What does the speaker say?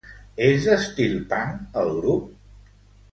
És d'estil punk el grup?